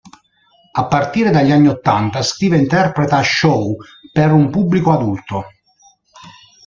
A partire dagli anni ottanta scrive e interpreta show per un pubblico adulto.